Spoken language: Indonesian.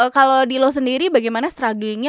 kalau di lo sendiri bagaimana strugglingnya